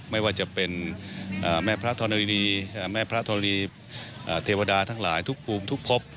ไม่ว่าจะเป็นแม่พระธรณีแม่พระเทวดาทั้งหลายทุกภูมิทุกพบ